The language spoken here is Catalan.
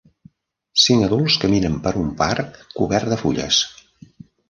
Cinc adults caminen per un parc cobert de fulles.